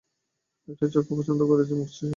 একটি চোখকে অপছন্দও করছে মস্তিষ্ক।